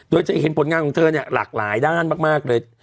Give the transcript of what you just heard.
โดยจะเห็นผลงานของเธอเนี่ยหลากหลายด้านมากเลย